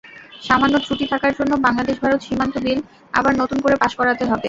সামান্য ত্রুটি থাকার জন্য বাংলাদেশ-ভারত সীমান্ত বিল আবার নতুন করে পাস করাতে হবে।